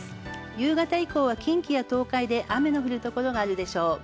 夕方以降は近畿や東海で雨の降る所があるでしょう。